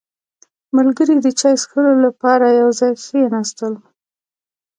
• ملګري د چای څښلو لپاره یو ځای کښېناستل.